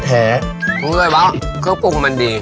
รู้เลยวะเครื่องปรุงมันดี